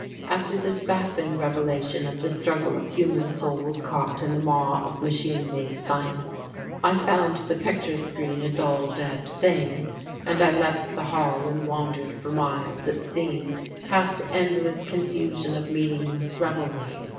After this baffling revelation of the struggle of human souls caught in the maw of machine made science, I found the picture screen a dull dead thing, and I left the hall and wandered for miles, it seemed, past endless confusion of meaningless revelry.